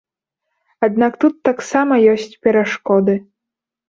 Аднак тут таксама ёсць перашкоды.